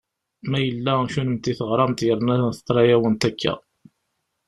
Ma yella kunemti teɣramt yerna teḍra-yawent akka.